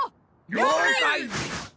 了解！